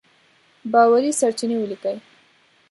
باوري سرچينې وليکئ!.